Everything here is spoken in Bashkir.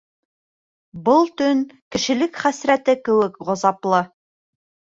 Был төн кешелек хәсрәте кеүек ғазаплы.